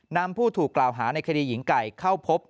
ผู้ถูกกล่าวหาในคดีหญิงไก่เข้าพบ